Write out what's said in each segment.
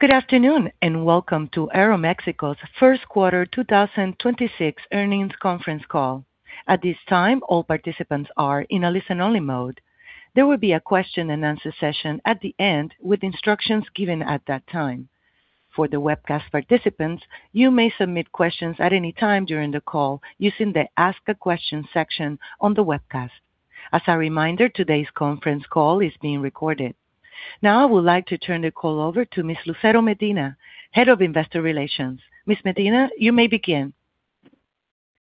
Good afternoon, and welcome to Aeroméxico's first quarter 2026 earnings conference call. At this time, all participants are in a listen-only mode. There will be a question and answer session at the end with instructions given at that time. For the webcast participants, you may submit questions at any time during the call using the ask a question section on the webcast. As a reminder, today's conference call is being recorded. Now I would like to turn the call over to Ms. Lucero Medina, Head of Investor Relations. Ms. Medina, you may begin.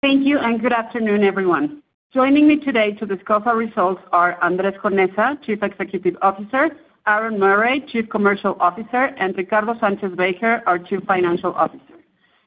Thank you, and good afternoon, everyone. Joining me today to discuss our results are Andrés Conesa, Chief Executive Officer, Aaron Murray, Chief Commercial Officer, and Ricardo Sánchez Baker, our Chief Financial Officer.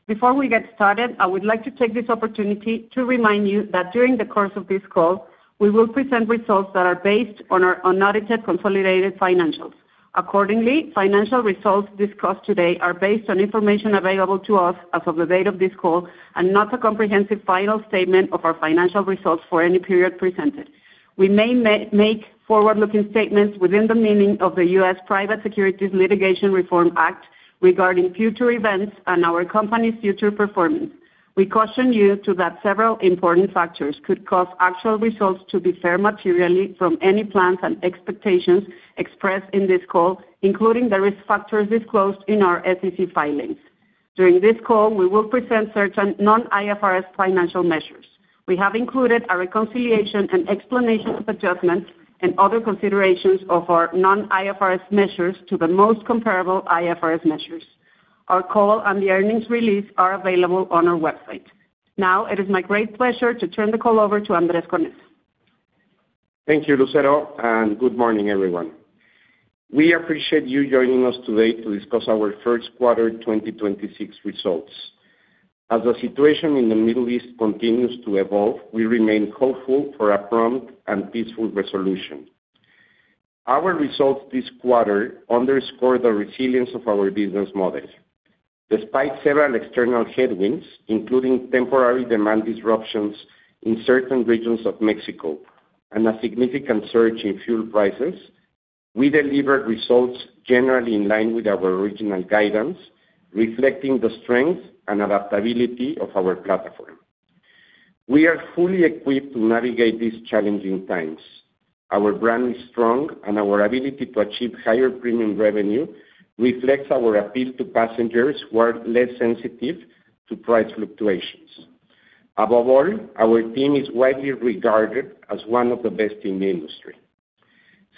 Before we get started, I would like to take this opportunity to remind you that during the course of this call, we will present results that are based on our unaudited consolidated financials. Accordingly, financial results discussed today are based on information available to us as of the date of this call and not a comprehensive final statement of our financial results for any period presented. We may make forward-looking statements within the meaning of the U.S. Private Securities Litigation Reform Act regarding future events and our company's future performance. We caution you that several important factors could cause actual results to differ materially from any plans and expectations expressed in this call, including the risk factors disclosed in our SEC filings. During this call, we will present certain non-IFRS financial measures. We have included a reconciliation and explanation of adjustments and other considerations of our non-IFRS measures to the most comparable IFRS measures. Our call and the earnings release are available on our website. Now it is my great pleasure to turn the call over to Andrés Conesa. Thank you, Lucero, and good morning, everyone. We appreciate you joining us today to discuss our first quarter 2026 results. As the situation in the Middle East continues to evolve, we remain hopeful for a prompt and peaceful resolution. Our results this quarter underscore the resilience of our business model. Despite several external headwinds, including temporary demand disruptions in certain regions of Mexico and a significant surge in fuel prices, we delivered results generally in line with our original guidance, reflecting the strength and adaptability of our platform. We are fully equipped to navigate these challenging times. Our brand is strong and our ability to achieve higher premium revenue reflects our appeal to passengers who are less sensitive to price fluctuations. Above all, our team is widely regarded as one of the best in the industry.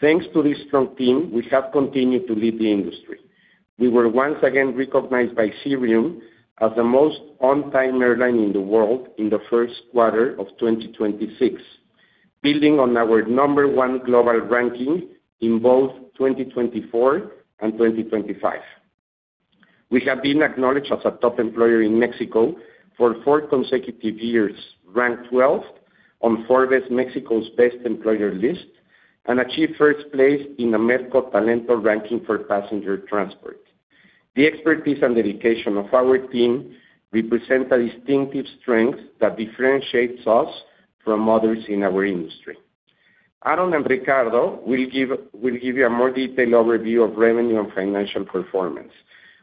Thanks to this strong team, we have continued to lead the industry. We were once again recognized by Cirium as the most on-time airline in the world in the first quarter of 2026, building on our number one global ranking in both 2024 and 2025. We have been acknowledged as a top employer in Mexico for four consecutive years, ranked 12th on Forbes Mexico's best employer list, and achieved first place in the Merco Talento ranking for passenger transport. The expertise and dedication of our team represent a distinctive strength that differentiates us from others in our industry. Aaron and Ricardo will give you a more detailed overview of revenue and financial performance.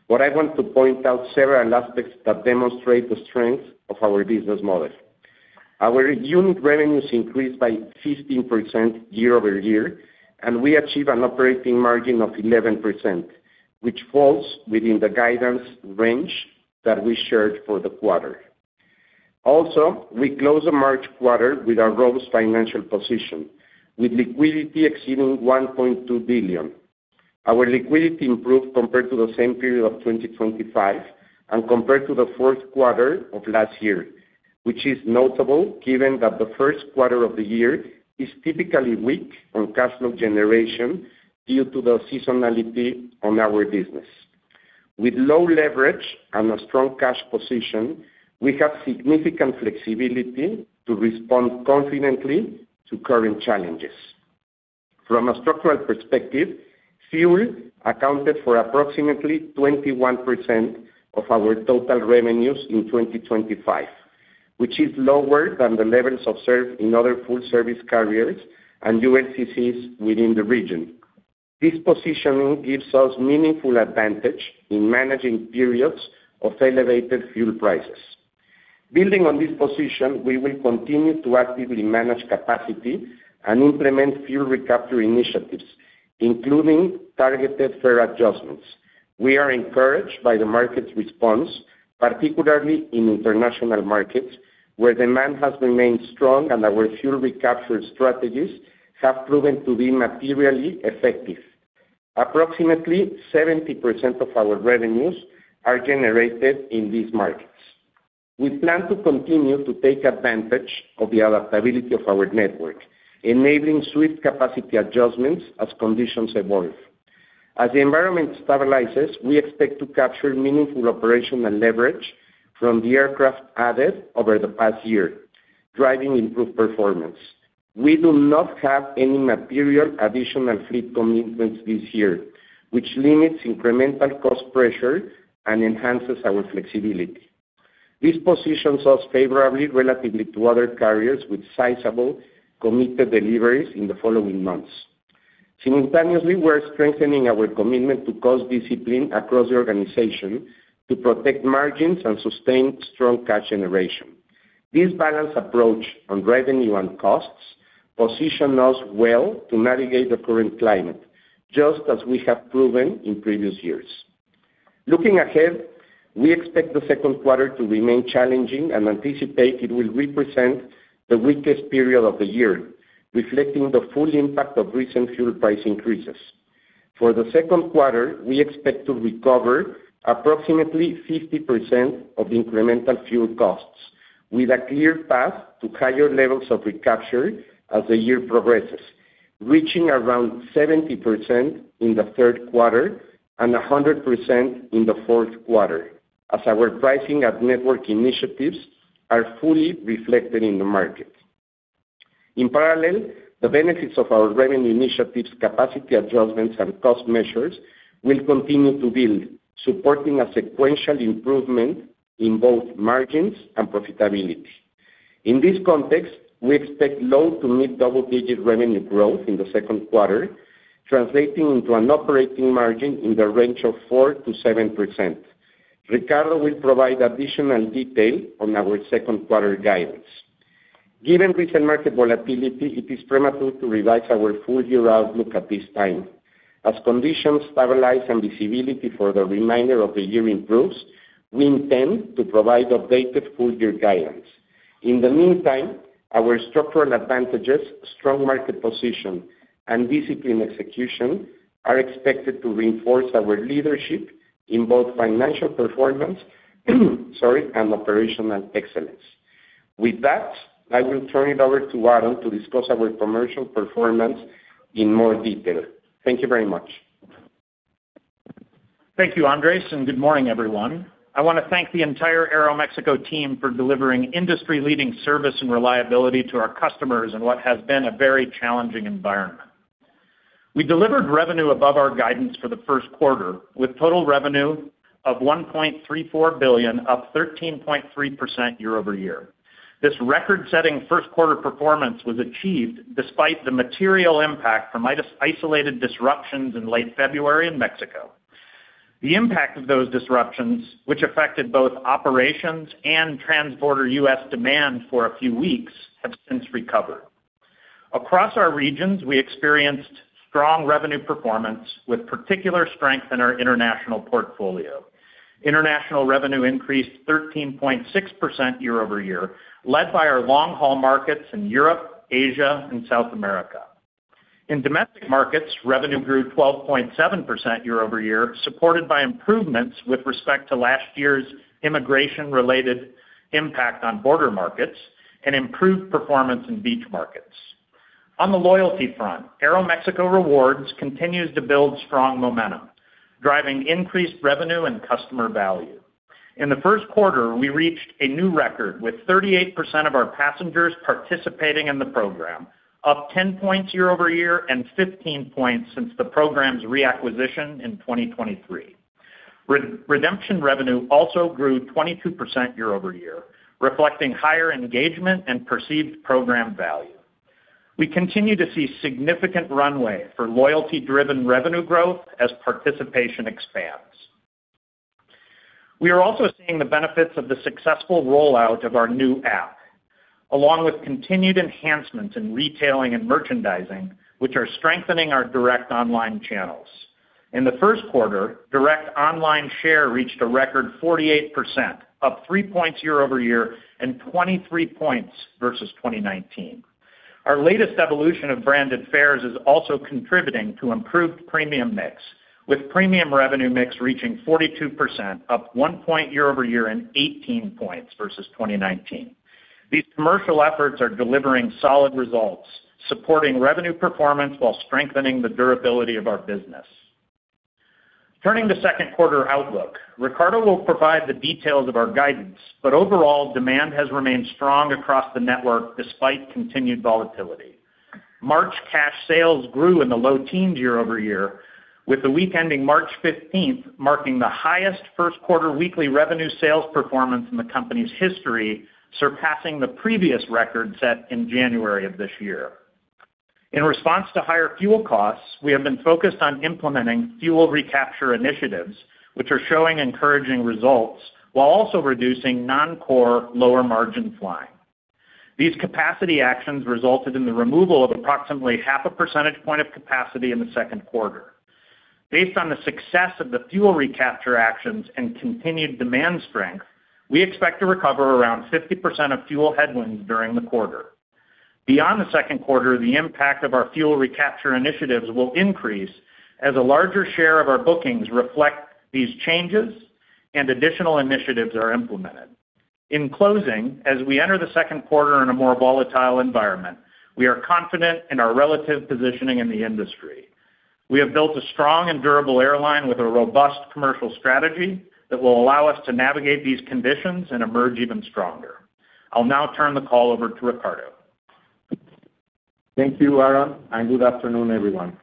What I want to point out are several aspects that demonstrate the strength of our business model. Our unit revenues increased by 15% year-over-year, and we achieved an operating margin of 11%, which falls within the guidance range that we shared for the quarter. We closed the March quarter with a robust financial position with liquidity exceeding $1.2 billion. Our liquidity improved compared to the same period of 2025 and compared to the fourth quarter of last year, which is notable given that the first quarter of the year is typically weak on cash flow generation due to the seasonality on our business. With low leverage and a strong cash position, we have significant flexibility to respond confidently to current challenges. From a structural perspective, fuel accounted for approximately 21% of our total revenues in 2025, which is lower than the levels observed in other full service carriers and ULCCs within the region. This positioning gives us meaningful advantage in managing periods of elevated fuel prices. Building on this position, we will continue to actively manage capacity and implement fuel recovery initiatives, including targeted fare adjustments. We are encouraged by the market's response, particularly in international markets, where demand has remained strong and our fuel recapture strategies have proven to be materially effective. Approximately 70% of our revenues are generated in these markets. We plan to continue to take advantage of the adaptability of our network, enabling swift capacity adjustments as conditions evolve. As the environment stabilizes, we expect to capture meaningful operational leverage from the aircraft added over the past year, driving improved performance. We do not have any material additional fleet commitments this year, which limits incremental cost pressure and enhances our flexibility. This positions us favorably relatively to other carriers with sizable committed deliveries in the following months. Simultaneously, we are strengthening our commitment to cost discipline across the organization to protect margins and sustain strong cash generation. This balanced approach on revenue and costs positions us well to navigate the current climate, just as we have proven in previous years. Looking ahead, we expect the second quarter to remain challenging and anticipate it will represent the weakest period of the year, reflecting the full impact of recent fuel price increases. For the second quarter, we expect to recover approximately 50% of incremental fuel costs with a clear path to higher levels of recapture as the year progresses, reaching around 70% in the third quarter and 100% in the fourth quarter, as our pricing and network initiatives are fully reflected in the market. In parallel, the benefits of our revenue initiatives, capacity adjustments, and cost measures will continue to build, supporting a sequential improvement in both margins and profitability. In this context, we expect low to mid double-digit revenue growth in the second quarter, translating into an operating margin in the range of 4%-7%. Ricardo will provide additional detail on our second quarter guidance. Given recent market volatility, it is premature to revise our full-year outlook at this time. As conditions stabilize and visibility for the remainder of the year improves, we intend to provide updated full-year guidance. In the meantime, our structural advantages, strong market position, and disciplined execution are expected to reinforce our leadership in both financial performance sorry, and operational excellence. With that, I will turn it over to Aaron to discuss our commercial performance in more detail. Thank you very much. Thank you, Andrés, and good morning, everyone. I want to thank the entire Aeroméxico team for delivering industry-leading service and reliability to our customers in what has been a very challenging environment. We delivered revenue above our guidance for the first quarter, with total revenue of $1.34 billion, up 13.3% year-over-year. This record-setting first quarter performance was achieved despite the material impact from isolated disruptions in late February in Mexico. The impact of those disruptions, which affected both operations and transborder U.S. demand for a few weeks, have since recovered. Across our regions, we experienced strong revenue performance with particular strength in our international portfolio. International revenue increased 13.6% year-over-year, led by our long-haul markets in Europe, Asia, and South America. In domestic markets, revenue grew 12.7% year-over-year, supported by improvements with respect to last year's immigration-related impact on border markets and improved performance in beach markets. On the loyalty front, Aeroméxico Rewards continues to build strong momentum, driving increased revenue and customer value. In the first quarter, we reached a new record, with 38% of our passengers participating in the program, up 10 points year-over-year and 15 points since the program's reacquisition in 2023. Redemption revenue also grew 22% year-over-year, reflecting higher engagement and perceived program value. We continue to see significant runway for loyalty-driven revenue growth as participation expands. We are also seeing the benefits of the successful rollout of our new app, along with continued enhancements in retailing and merchandising, which are strengthening our direct online channels. In the first quarter, direct online share reached a record 48%, up three points year-over-year and 23 points versus 2019. Our latest evolution of branded fares is also contributing to improved premium mix, with premium revenue mix reaching 42%, up one point year-over-year and 18 points versus 2019. These commercial efforts are delivering solid results, supporting revenue performance while strengthening the durability of our business. Turning to second quarter outlook, Ricardo will provide the details of our guidance, but overall, demand has remained strong across the network despite continued volatility. March cash sales grew in the low teens year-over-year, with the week ending March 15th marking the highest first quarter weekly revenue sales performance in the company's history, surpassing the previous record set in January of this year. In response to higher fuel costs, we have been focused on implementing fuel recapture initiatives, which are showing encouraging results while also reducing non-core lower margin flying. These capacity actions resulted in the removal of approximately half a percentage point of capacity in the second quarter. Based on the success of the fuel recapture actions and continued demand strength, we expect to recover around 50% of fuel headwinds during the quarter. Beyond the second quarter, the impact of our fuel recapture initiatives will increase as a larger share of our bookings reflect these changes and additional initiatives are implemented. In closing, as we enter the second quarter in a more volatile environment, we are confident in our relative positioning in the industry. We have built a strong and durable airline with a robust commercial strategy that will allow us to navigate these conditions and emerge even stronger. I'll now turn the call over to Ricardo. Thank you, Aaron, and good afternoon, everyone.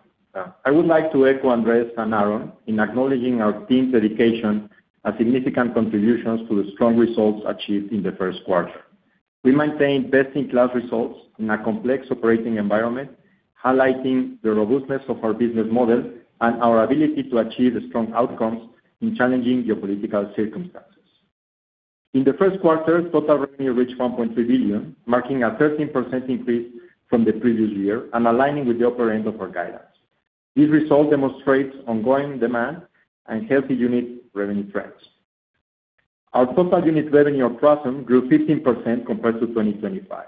I would like to echo Andrés and Aaron in acknowledging our team's dedication and significant contributions to the strong results achieved in the first quarter. We maintain best-in-class results in a complex operating environment, highlighting the robustness of our business model and our ability to achieve strong outcomes in challenging geopolitical circumstances. In the first quarter, total revenue reached $1.3 billion, marking a 13% increase from the previous year and aligning with the upper end of our guidance. This result demonstrates ongoing demand and healthy unit revenue trends. Our total unit revenue, or TRASM, grew 15% compared to 2025.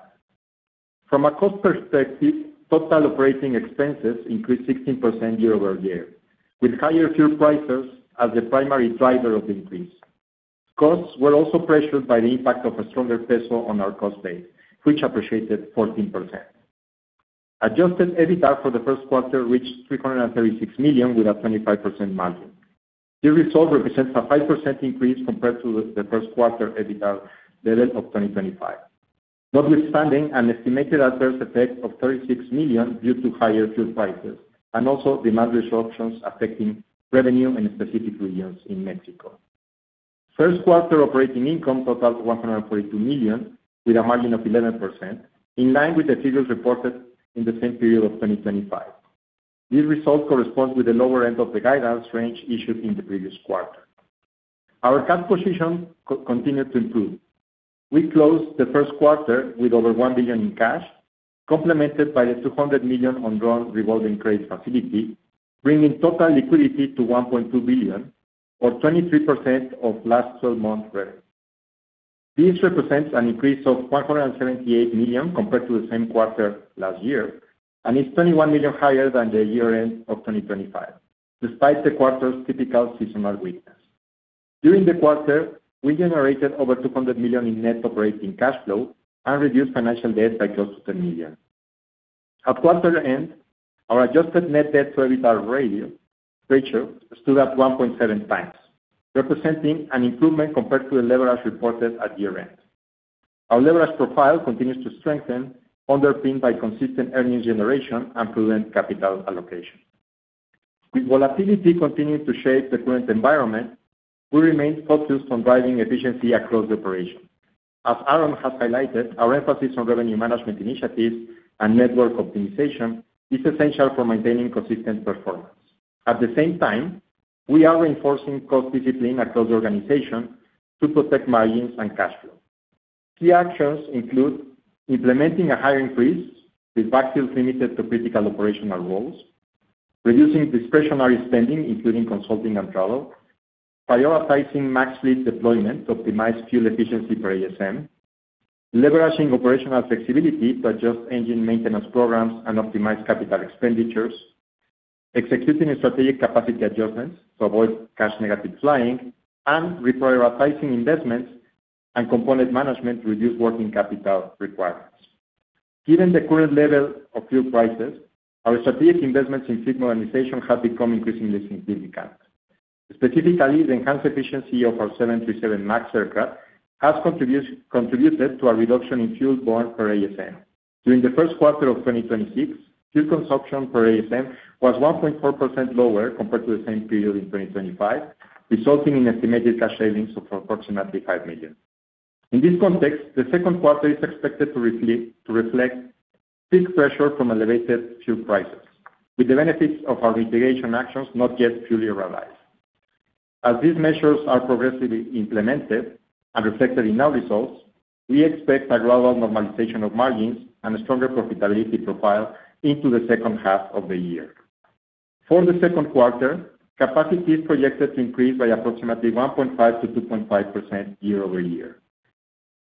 From a cost perspective, total operating expenses increased 16% year-over-year, with higher fuel prices as the primary driver of increase. Costs were also pressured by the impact of a stronger peso on our cost base, which appreciated 14%. Adjusted EBITDA for the first quarter reached $336 million, with a 25% margin. This result represents a 5% increase compared to the first quarter EBITDA level of 2025. Notwithstanding an estimated adverse effect of $36 million due to higher fuel prices and also demand disruptions affecting revenue in specific regions in Mexico. First quarter operating income totaled $142 million, with a margin of 11%, in line with the figures reported in the same period of 2025. This result corresponds with the lower end of the guidance range issued in the previous quarter. Our cash position continued to improve. We closed the first quarter with over $1 billion in cash, complemented by a $200 million undrawn revolving credit facility, bringing total liquidity to $1.2 billion, or 23% of last 12 months revenue. This represents an increase of $178 million compared to the same quarter last year, and is $21 million higher than the year-end of 2025, despite the quarter's typical seasonal weakness. During the quarter, we generated over $200 million in net operating cash flow and reduced financial debt by close to $10 million. At quarter end, our adjusted net debt to EBITDA ratio stood at 1.7x, representing an improvement compared to the leverage reported at year-end. Our leverage profile continues to strengthen, underpinned by consistent earnings generation and prudent capital allocation. With volatility continuing to shape the current environment, we remain focused on driving efficiency across the operation. As Aaron has highlighted, our emphasis on revenue management initiatives and network optimization is essential for maintaining consistent performance. At the same time, we are reinforcing cost discipline across the organization to protect margins and cash flow. Key actions include implementing a hiring freeze, with backfills limited to critical operational roles. Reducing discretionary spending, including consulting and travel. Prioritizing MAX fleet deployment to optimize fuel efficiency per ASM. Leveraging operational flexibility to adjust engine maintenance programs and optimize capital expenditures. Executing strategic capacity adjustments to avoid cash-negative flying, and reprioritizing investments and component management to reduce working capital requirements. Given the current level of fuel prices, our strategic investments in fleet modernization have become increasingly significant. Specifically, the enhanced efficiency of our 737 MAX aircraft has contributed to a reduction in fuel burn per ASM. During the first quarter of 2026, fuel consumption per ASM was 1.4% lower compared to the same period in 2025, resulting in estimated cash savings of approximately $5 million. In this context, the second quarter is expected to reflect peak pressure from elevated fuel prices, with the benefits of our mitigation actions not yet fully realized. As these measures are progressively implemented and reflected in our results, we expect a gradual normalization of margins and a stronger profitability profile into the second half of the year. For the second quarter, capacity is projected to increase by approximately 1.5%-2.5% year-over-year.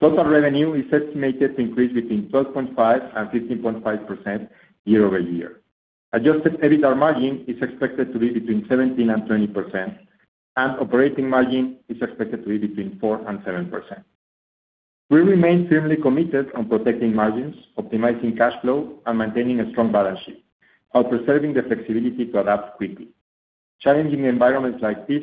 Total revenue is estimated to increase between 12.5% and 15.5% year-over-year. Adjusted EBITDA margin is expected to be between 17% and 20%, and operating margin is expected to be between 4% and 7%. We remain firmly committed on protecting margins, optimizing cash flow, and maintaining a strong balance sheet, while preserving the flexibility to adapt quickly. Challenging environments like this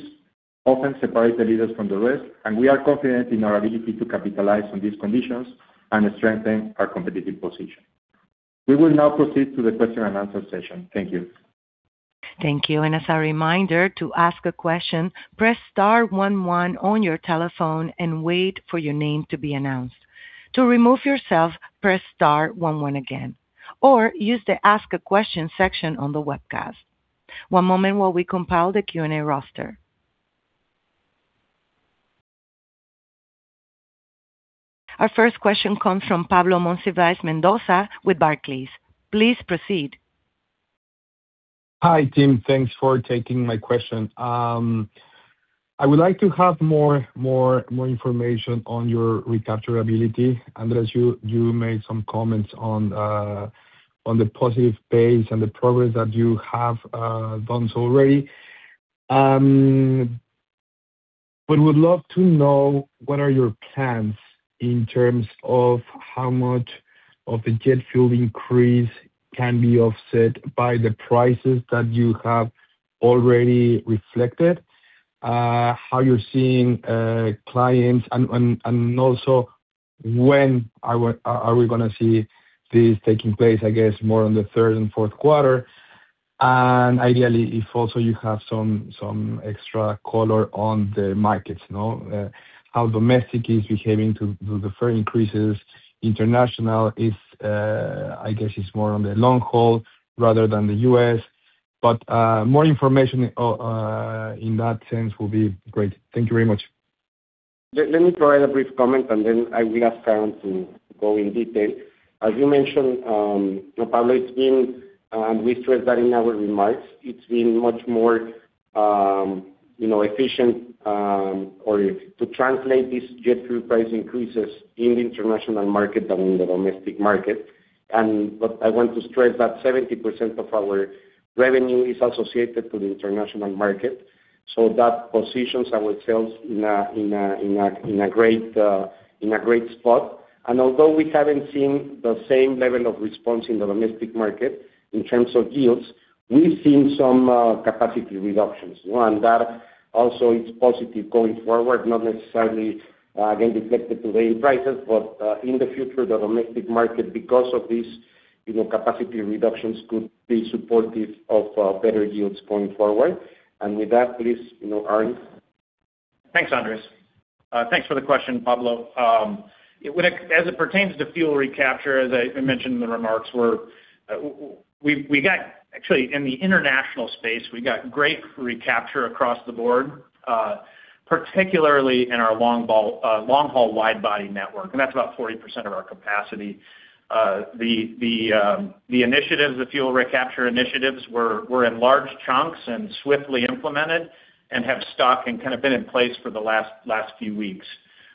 often separate the leaders from the rest, and we are confident in our ability to capitalize on these conditions and strengthen our competitive position. We will now proceed to the question and answer session. Thank you. Thank you. As a reminder, to ask a question, press star one one on your telephone and wait for your name to be announced. To remove yourself, press star one one again, or use the Ask a Question section on the webcast. One moment while we compile the Q&A roster. Our first question comes from Pablo Monsivais Mendoza with Barclays. Please proceed. Hi, team. Thanks for taking my question. I would like to have more information on your recapture ability. Andrés, you made some comments on the positive pace and the progress that you have done so already. Would love to know what are your plans in terms of how much of the jet fuel increase can be offset by the prices that you have already reflected? How you're seeing clients and also when are we going to see this taking place, I guess more on the third and fourth quarter, and ideally, if also you have some extra color on the markets, no? How domestic is behaving to the fare increases, international is, I guess it's more on the long haul rather than the U.S., but more information in that sense will be great. Thank you very much. Let me provide a brief comment and then I will ask Aaron to go in detail. As you mentioned, Pablo, it's been, and we stressed that in our remarks, it's been much more efficient to translate these jet fuel price increases in the international market than in the domestic market. I want to stress that 70% of our revenue is associated to the international market, so that positions our sales in a great spot. Although we haven't seen the same level of response in the domestic market in terms of yields, we've seen some capacity reductions. One, that also is positive going forward, not necessarily again reflected today in prices, but in the future, the domestic market because of these capacity reductions could be supportive of better yields going forward. With that, please, Aaron. Thanks, Andrés. Thanks for the question, Pablo. As it pertains to fuel recapture, as I mentioned in the remarks, actually, in the international space, we got great recapture across the board, particularly in our long-haul wide body network, and that's about 40% of our capacity. The initiatives, the fuel recapture initiatives, were in large chunks and swiftly implemented and have stuck and kind of been in place for the last few weeks.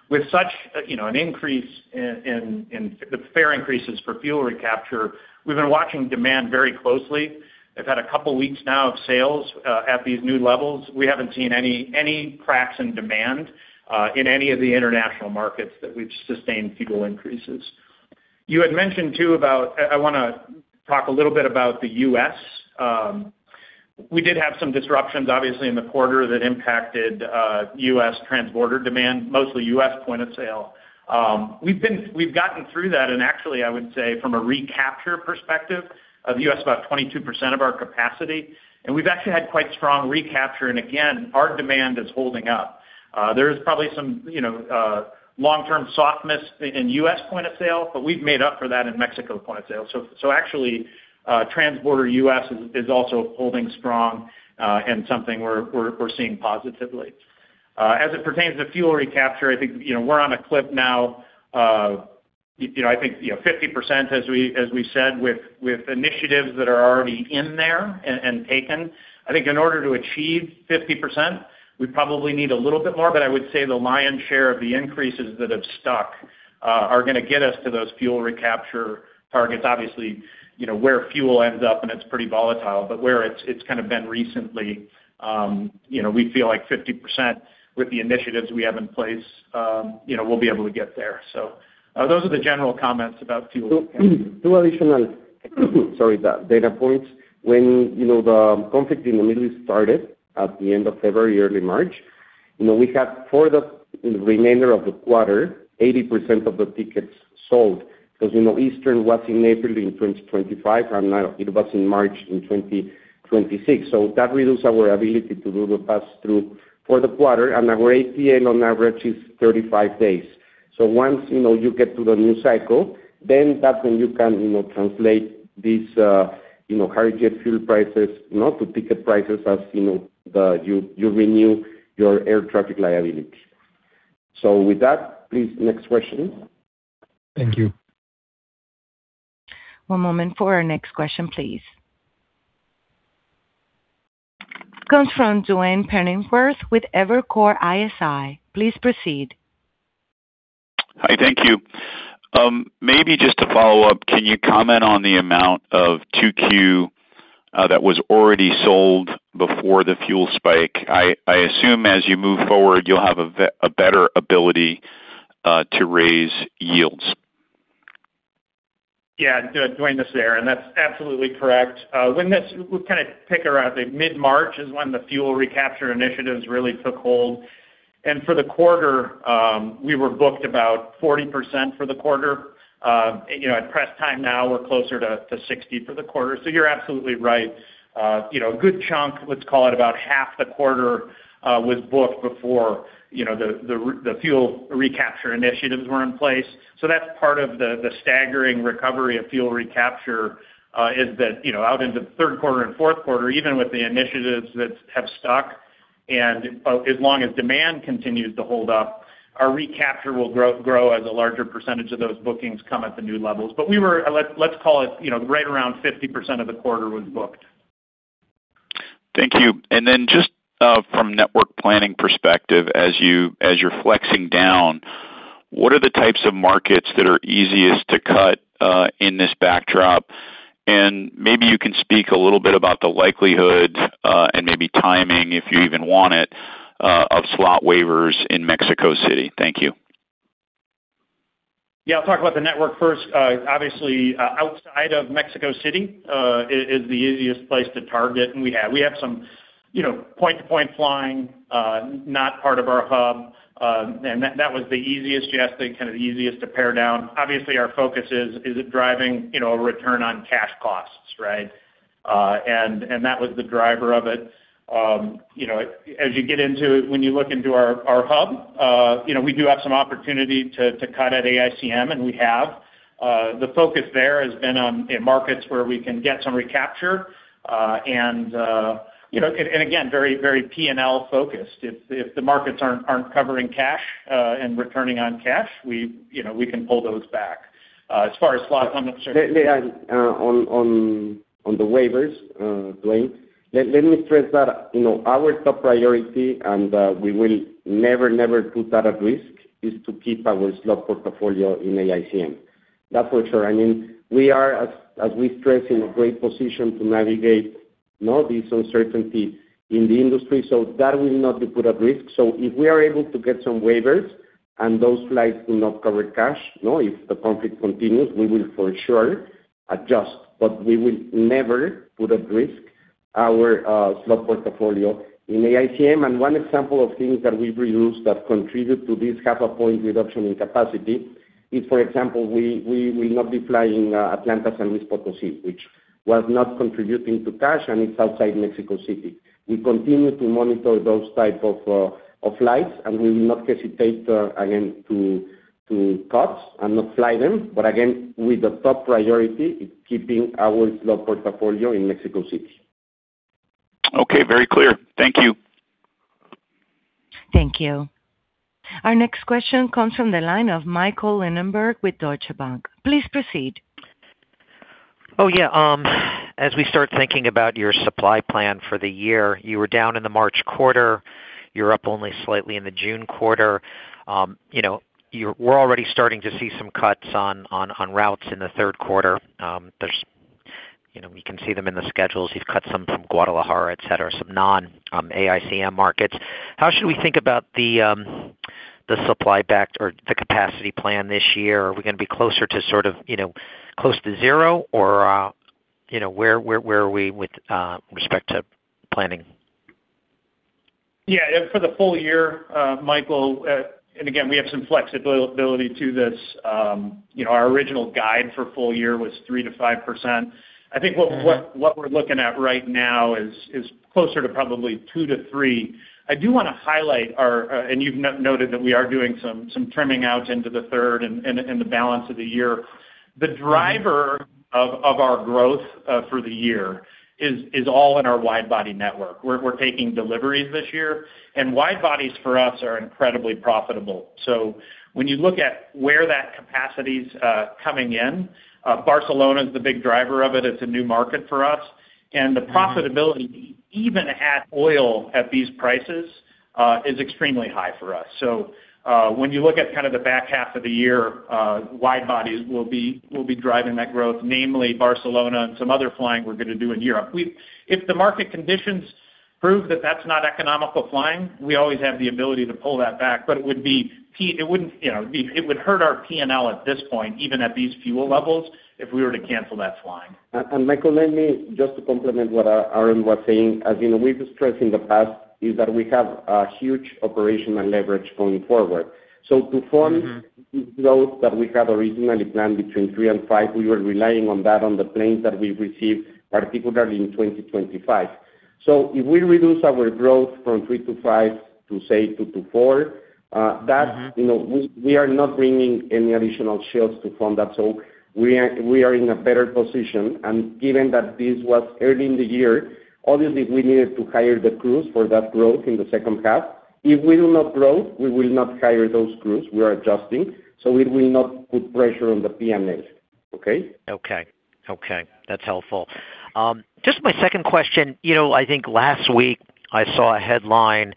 With such an increase in the fare increases for fuel recapture, we've been watching demand very closely. They've had a couple weeks now of sales at these new levels. We haven't seen any cracks in demand in any of the international markets that we've sustained fuel increases. You had mentioned too about the U.S. I want to talk a little bit about the U.S. We did have some disruptions, obviously, in the quarter that impacted U.S. transborder demand, mostly U.S. point of sale. We've gotten through that, and actually, I would say from a recapture perspective of U.S., about 22% of our capacity. We've actually had quite strong recapture, and again, our demand is holding up. There is probably some long-term softness in U.S. point of sale, but we've made up for that in Mexico point of sale. Actually, transborder U.S. is also holding strong, and something we're seeing positively. As it pertains to fuel recapture, I think we're on a cliff now of I think 50%, as we said, with initiatives that are already in there and taken. I think in order to achieve 50%, we probably need a little bit more, but I would say the lion's share of the increases that have stuck are going to get us to those fuel recapture targets. Obviously, where fuel ends up, and it's pretty volatile, but where it's kind of been recently, we feel like 50% with the initiatives we have in place, we'll be able to get there. Those are the general comments about fuel. Two additional, sorry, data points. When the conflict in the Middle East started at the end of February, early March, we had for the remainder of the quarter, 80% of the tickets sold because Easter was in April in 2025, and it was in March in 2026. That reduced our ability to do the pass-through for the quarter, and our APA on average is 35 days. Once you get to the new cycle, then that's when you can translate these higher jet fuel prices into ticket prices as you renew your air traffic liability. With that, please, next question. Thank you. One moment for our next question, please. Comes from Duane Pfennigwerth with Evercore ISI. Please proceed. Hi, thank you. Maybe just to follow up, can you comment on the amount of 2Q that was already sold before the fuel spike? I assume as you move forward, you'll have a better ability to raise yields. Yeah. Duane, this is Aaron. That's absolutely correct. We've kind of pegged around mid-March is when the fuel recapture initiatives really took hold. For the quarter, we were booked about 40% for the quarter. At present time now, we're closer to 60% for the quarter. You're absolutely right. A good chunk, let's call it about half the quarter, was booked before the fuel recapture initiatives were in place. That's part of the staggered recovery of fuel recapture, out into third quarter and fourth quarter, even with the initiatives that have stuck and as long as demand continues to hold up, our recapture will grow as a larger percentage of those bookings come at the new levels. We were, let's call it, right around 50% of the quarter was booked. Thank you. Just from network planning perspective, as you're flexing down, what are the types of markets that are easiest to cut in this backdrop? Maybe you can speak a little bit about the likelihood, and maybe timing, if you even want it, of slot waivers in Mexico City. Thank you. Yeah. I'll talk about the network first. Obviously, outside of Mexico City is the easiest place to target, and we have some point-to-point flying, not part of our hub. That was the easiest to pare down. Obviously, our focus is on driving a return on cash costs, right? That was the driver of it. When you look into our hub, we do have some opportunity to cut at AICM, and we have. The focus there has been on markets where we can get some recapture. Again, very P&L focused. If the markets aren't covering cash and returning on cash, we can pull those back. As far as slot- Let me add on the waivers, Duane. Let me stress that our top priority, and we will never put that at risk, is to keep our slot portfolio in AICM. That for sure. We are, as we stress, in a great position to navigate this uncertainty in the industry. So that will not be put at risk. So if we are able to get some waivers and those flights do not cover cash, if the conflict continues, we will for sure adjust. We will never put at risk our slot portfolio in AICM. One example of things that we've reduced that contribute to this half a point reduction in capacity is, for example, we will not be flying Atlanta-San Luis Potosí, which was not contributing to cash, and it's outside Mexico City. We continue to monitor those type of flights, and we will not hesitate, again, to cut and not fly them. Again, with the top priority is keeping our slot portfolio in Mexico City. Okay. Very clear. Thank you. Thank you. Our next question comes from the line of Michael Linenberg with Deutsche Bank. Please proceed. Oh, yeah. As we start thinking about your supply plan for the year, you were down in the March quarter. You're up only slightly in the June quarter. We're already starting to see some cuts on routes in the third quarter. We can see them in the schedules. You've cut some from Guadalajara, et cetera, some non-AICM markets. How should we think about the supply back or the capacity plan this year? Are we going to be closer to zero, or where are we with respect to planning? Yeah. For the full year, Michael, and again, we have some flexibility to this. Our original guide for full year was 3%-5%. I think what we're looking at right now is closer to probably 2%-3%. I do want to highlight, and you've noted that we are doing some trimming out into the third and the balance of the year. The driver of our growth for the year is all in our wide-body network. We're taking deliveries this year, and wide-bodies for us are incredibly profitable. When you look at where that capacity is coming in, Barcelona is the big driver of it. It's a new market for us. The profitability, even at oil at these prices, is extremely high for us. When you look at the back half of the year, wide-bodies will be driving that growth, namely Barcelona and some other flying we're going to do in Europe. If the market conditions prove that that's not economical flying, we always have the ability to pull that back, but it would hurt our P&L at this point, even at these fuel levels, if we were to cancel that flying. Michael, let me just to complement what Aaron was saying, as you know, we've stressed in the past is that we have a huge operational leverage going forward. To fund growth that we had originally planned between 3%-5%, we were relying on that on the planes that we received, particularly in 2025. If we reduce our growth from 3%-5% to, say, 2%-4%, we are not bringing any additional shares to fund that. We are in a better position, and given that this was early in the year, obviously, we needed to hire the crews for that growth in the second half. If we will not grow, we will not hire those crews. We are adjusting, so it will not put pressure on the P&Ls. Okay? Okay. That's helpful. Just my second question. I think last week I saw a headline,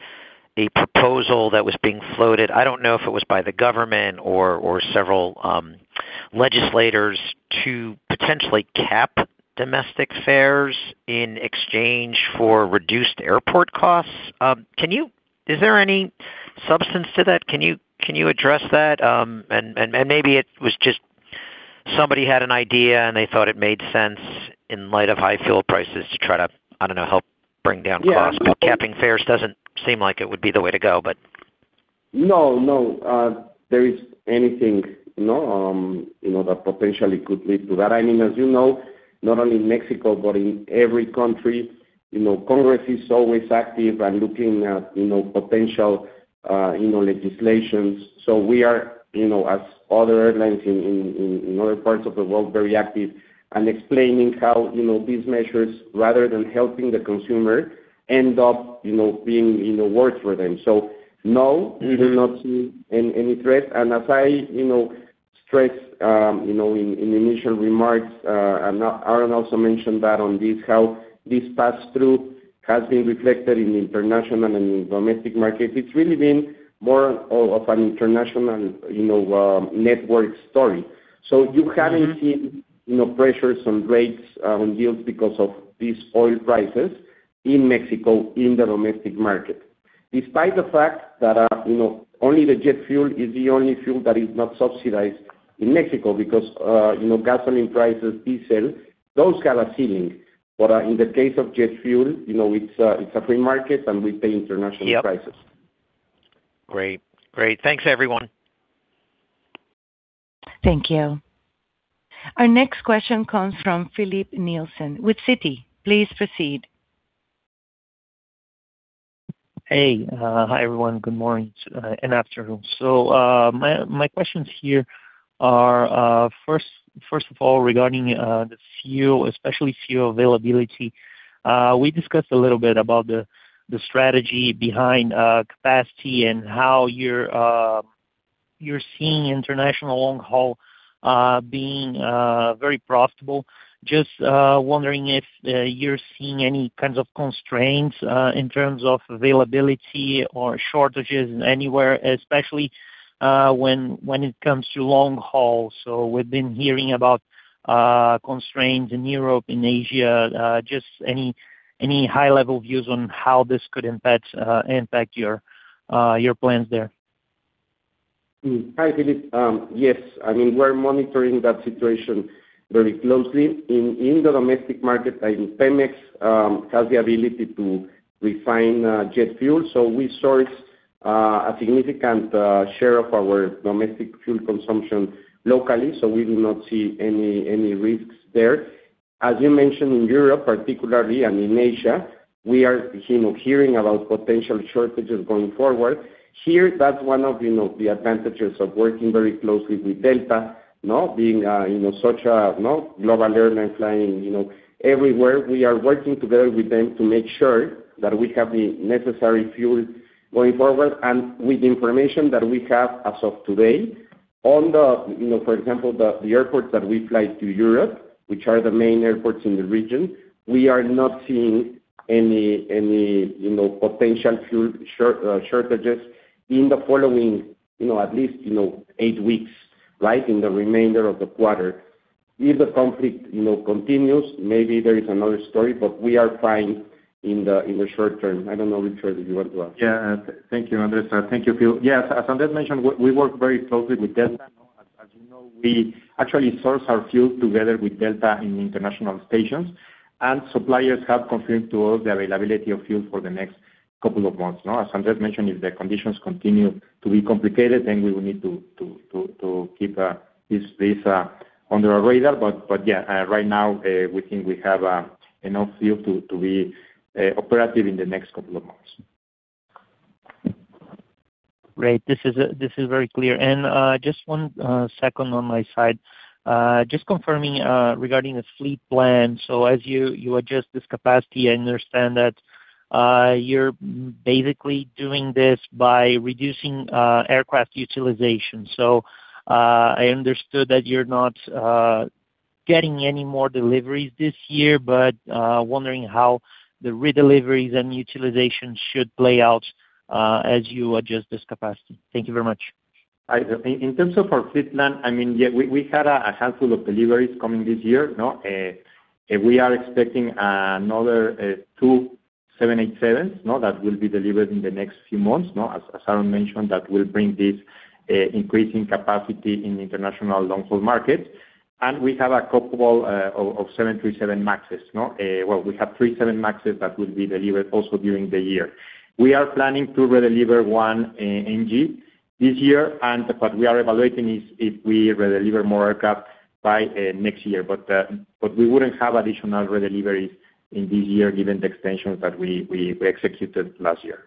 a proposal that was being floated. I don't know if it was by the government or several legislators to potentially cap domestic fares in exchange for reduced airport costs. Is there any substance to that? Can you address that? Maybe it was just somebody had an idea, and they thought it made sense in light of high fuel prices to try to, I don't know, help bring down costs. Capping fares doesn't seem like it would be the way to go. No, there isn't anything that potentially could lead to that. As you know, not only in Mexico but in every country, Congress is always active and looking at potential legislation. We are, as other airlines in other parts of the world, very active and explaining how these measures, rather than helping the consumer, end up being worse for them. No, we do not see any threat. As I stressed in the initial remarks, and Aaron also mentioned that on this, how this pass-through has been reflected in international and in domestic markets. It's really been more of an international network story. You haven't seen pressures on rates, on yields because of these oil prices in Mexico in the domestic market. Despite the fact that only the jet fuel is the only fuel that is not subsidized in Mexico, because gasoline prices, diesel, those have a ceiling. In the case of jet fuel, it's a free market and we pay international prices. Yep. Great. Thanks, everyone. Thank you. Our next question comes from Filipe Nielsen with Citi. Please proceed. Hey. Hi, everyone. Good morning and afternoon. My questions here are first of all regarding the fuel, especially fuel availability. We discussed a little bit about the strategy behind capacity and how you're seeing international long haul being very profitable. Just wondering if you're seeing any kinds of constraints in terms of availability or shortages anywhere, especially when it comes to long haul. We've been hearing about constraints in Europe, in Asia. Just any high level views on how this could impact your plans there? Hi, Filipe. Yes, we're monitoring that situation very closely. In the domestic market, Pemex has the ability to refine jet fuel. We source a significant share of our domestic fuel consumption locally, so we do not see any risks there. As you mentioned, in Europe particularly and in Asia, we are hearing about potential shortages going forward. Here, that's one of the advantages of working very closely with Delta. Now, being such a global airline flying everywhere, we are working together with them to make sure that we have the necessary fuel going forward. With the information that we have as of today, on the, for example, the airports that we fly to Europe, which are the main airports in the region, we are not seeing any potential fuel shortages in the following at least eight weeks. In the remainder of the quarter. If the conflict continues, maybe there is another story, but we are fine in the short-term. I don't know, Ricardo, if you want to add. Yeah. Thank you, Andrés. Thank you, Filipe. Yes, as Andrés mentioned, we work very closely with Delta. As you know, we actually source our fuel together with Delta in international stations, and suppliers have confirmed to us the availability of fuel for the next couple of months. Now, as Andrés mentioned, if the conditions continue to be complicated, then we will need to keep this on our radar. Yeah, right now we think we have enough fuel to be operative in the next couple of months. Great. This is very clear. Just one second on my side. Just confirming regarding the fleet plan. As you adjust this capacity, I understand that you're basically doing this by reducing aircraft utilization. I understood that you're not getting any more deliveries this year, but wondering how the redeliveries and utilization should play out as you adjust this capacity. Thank you very much. In terms of our fleet plan, we had a handful of deliveries coming this year. We are expecting another two 787s that will be delivered in the next few months. As Aaron mentioned, that will bring this increase in capacity in the international long-haul market. We have a couple of 737 MAXes. Well, we have three 737 MAXes that will be delivered also during the year. We are planning to redeliver one 737 NG this year, and what we are evaluating is if we redeliver more aircraft by next year. We wouldn't have additional redeliveries in this year given the extensions that we executed last year.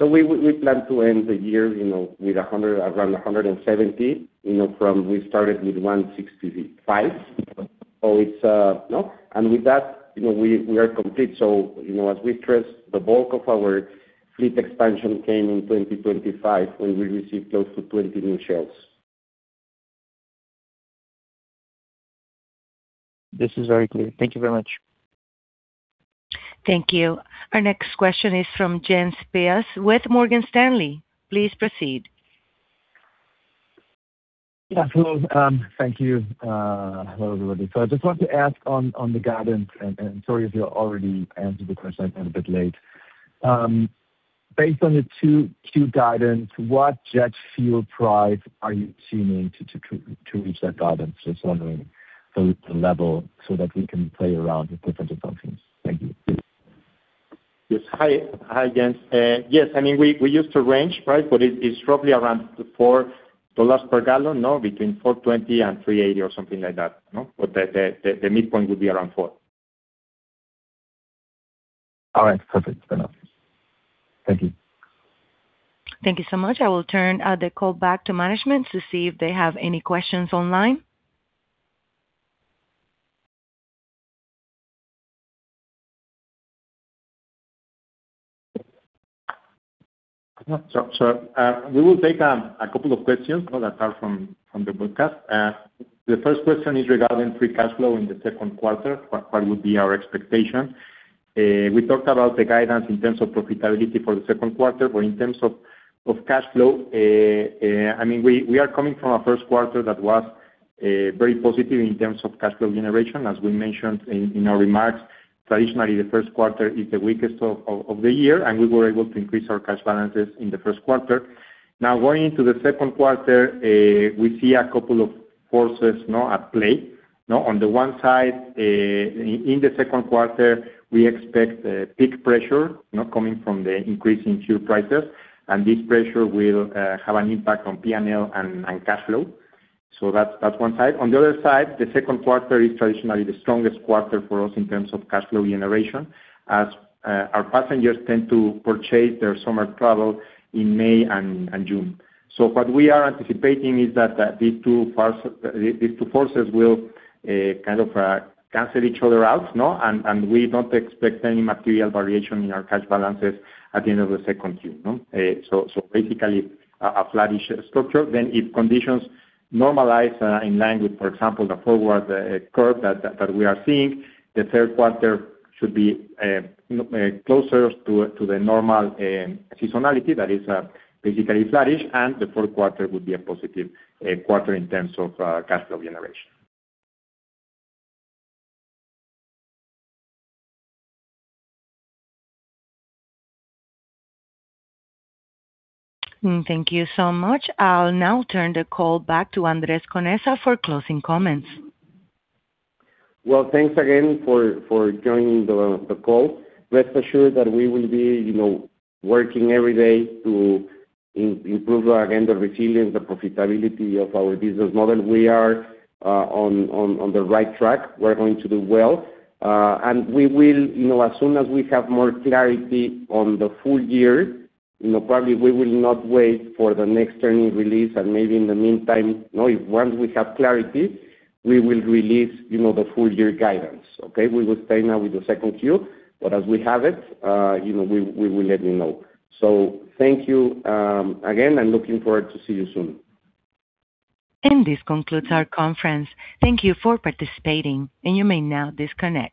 We plan to end the year around 170. We started with 165. With that, we are complete. As we stressed, the bulk of our fleet expansion came in 2025, when we received close to 20 new ships. This is very clear. Thank you very much. Thank you. Our next question is from Jens Spiess with Morgan Stanley. Please proceed. Yes, hello. Thank you. Hello, everybody. I just want to ask on the guidance, and sorry if you already answered the question, I'm a bit late. Based on the two guidance, what jet fuel price are you assuming to reach that guidance? Just wondering the level so that we can play around with different assumptions. Thank you. Yes. Hi, Jens. Yes, we use the range, right? It's roughly around $4 per gallon. Between $4.20 and $3.80 or something like that. The midpoint would be around $4. All right. Perfect. Fair enough. Thank you. Thank you so much. I will turn the call back to management to see if they have any questions online. We will take a couple of questions that are from the broadcast. The first question is regarding free cash flow in the second quarter, what would be our expectation? We talked about the guidance in terms of profitability for the second quarter, but in terms of cash flow. We are coming from a first quarter that was very positive in terms of cash flow generation, as we mentioned in our remarks. Traditionally, the first quarter is the weakest of the year, and we were able to increase our cash balances in the first quarter. Now, going into the second quarter, we see a couple of forces at play. On the one side, in the second quarter, we expect peak pressure coming from the increase in fuel prices, and this pressure will have an impact on P&L and cash flow. That's one side. On the other side, the second quarter is traditionally the strongest quarter for us in terms of cash flow generation, as our passengers tend to purchase their summer travel in May and June. What we are anticipating is that these two forces will kind of cancel each other out, and we don't expect any material variation in our cash balances at the end of the second quarter. Basically, a flattish structure. If conditions normalize in line with, for example, the forward curve that we are seeing, the third quarter should be closer to the normal seasonality, that is basically flattish, and the fourth quarter would be a positive quarter in terms of cash flow generation. Thank you so much. I'll now turn the call back to Andrés Conesa for closing comments. Well, thanks again for joining the call. Rest assured that we will be working every day to improve, again, the resilience, the profitability of our business model. We are on the right track. We're going to do well. As soon as we have more clarity on the full year, probably we will not wait for the next earnings release, and maybe in the meantime, once we have clarity, we will release the full year guidance. Okay? We will stay now with the second Q, but as we have it we will let you know. Thank you again, and looking forward to see you soon. This concludes our conference. Thank you for participating, and you may now disconnect.